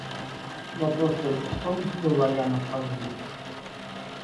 Вопрос только в том, была ли она правдивой.